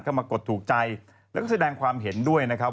มากดถูกใจแล้วก็แสดงความเห็นด้วยนะครับ